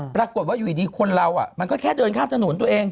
ปรากฏว่าอยู่ดีคนเรามันก็แค่เดินข้ามถนนตัวเอง